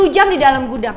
sepuluh jam di dalam gudang